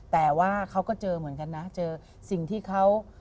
แต่ว่าเขาก็เจอเหมือนกันนะเจอสิ่งที่เขา